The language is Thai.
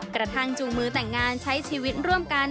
แส่งงานใช้ชีวิตร่วมกัน